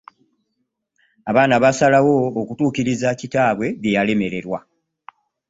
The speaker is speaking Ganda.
Abaana basalawo okutuukiriza kitaawe byeyalemererwa.